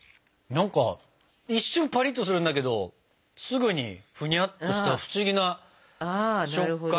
何か一瞬パリッとするんだけどすぐにふにゃっとした不思議な食感。